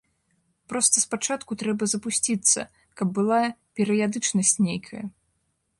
Проста спачатку трэба запусціцца, каб была перыядычнасць нейкая.